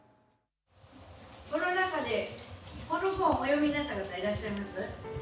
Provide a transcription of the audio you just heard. この中でこの本お読みになった方いらっしゃいます？